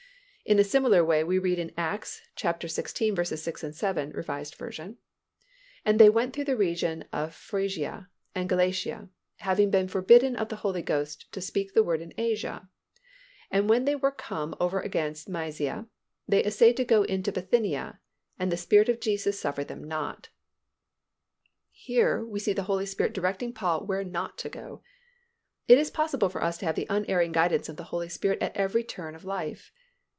In a similar way, we read in Acts xvi. 6, 7, R. V., "And they went through the region of Phrygia and Galatia, having been forbidden of the Holy Ghost to speak the word in Asia; and when they were come over against Mysia, they assayed to go into Bithynia; and the Spirit of Jesus suffered them not." Here we see the Holy Spirit directing Paul where not to go. It is possible for us to have the unerring guidance of the Holy Spirit at every turn of life.